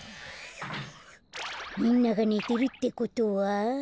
みんながねてるってことは。